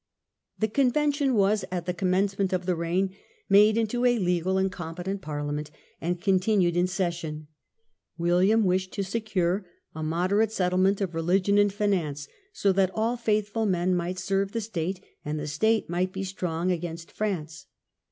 The " Convention " was, at the commencement of the reign, made into a legal and competent Parliament, and Settlement of Continued in session. William wished to the kingdom, secure a moderate settlement of religion and finance, so that all faithful men might serve the state and the state might be strong against France.